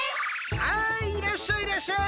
はいいらっしゃいいらっしゃい！